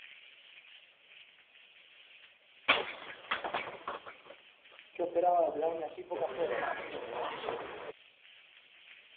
yo esperaba detenerme allí pocas horas.